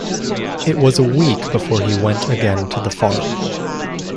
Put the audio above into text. It was a week before he went again to the farm.